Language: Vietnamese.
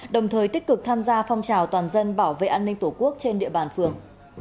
đồng thời tích cực tham gia phong trào toàn dân bảo vệ an ninh tổ quốc trên địa bàn phường